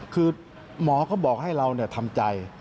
คือหมอก็บอกให้เราทำใจ